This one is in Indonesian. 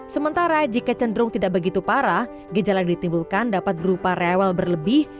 sementara jika cenderung tidak begitu parah gejala yang ditimbulkan dapat berupa rewel berlebih